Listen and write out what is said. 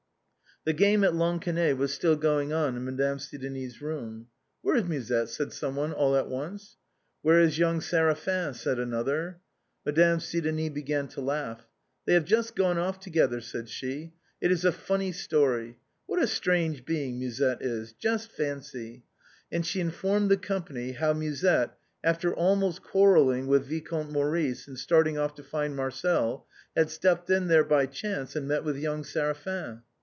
The game at lansquenet was still going on in Madame Sidonie's room. " Wliere is Musette ?" said some one all at once. " Where is young Séraphin ?" said another. Madame Sidonie began to laugh. " They have just gone off together," said she. " It is a funny story. What a strange being Musette is. Just fancy ..." and she informed the company how Musette, after almost quarrelling with Vicomte Maurice and start ing off to find Marcel, had stepped in there by chance and met with young Séraphin.